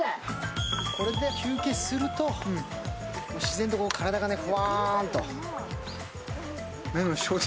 これで休憩すると、自然と体がふわんと。